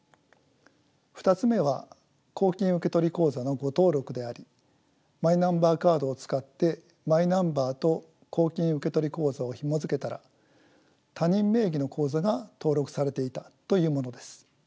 ２つ目は公金受取口座の誤登録でありマイナンバーカードを使ってマイナンバーと公金受取口座をひもづけたら他人名義の口座が登録されていたというものです。